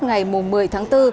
ngày một mươi tháng bốn